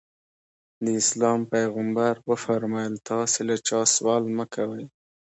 د اسلام پیغمبر وفرمایل تاسې له چا سوال مه کوئ.